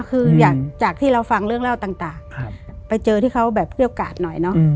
คือจากที่เราฟังเรื่องเล่าต่างไปเจอที่เขาแบบเกรี้ยวกาดหน่อยเนอะ